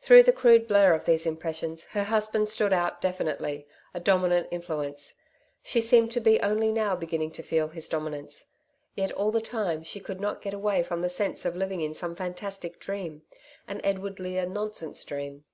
Through the crude blur of these impressions her husband stood out definitely, a dominant influence. She seemed to be only now beginning to feel his dominance. Yet all the time, she could not get away from the sense of living in some fantastic dream an Edward Lear nonsense dream.